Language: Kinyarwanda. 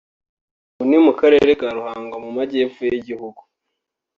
ubu ni mu karere ka Ruhango mu majyepfo y’Igihugu